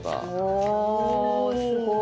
おすごい。